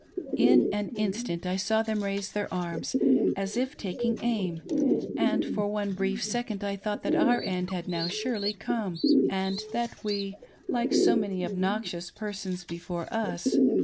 In an instant I saw them raise their arms, as if t^dkifig aim, Bind for one brief second I thoiaght that our end had now surely come) and that we, like so many obnoxious persons before us.